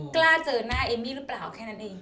กล้าเจอหน้าเอมมี่หรือเปล่าแค่นั้นเอง